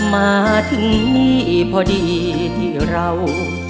มาถึงนี่พอดีที่เรา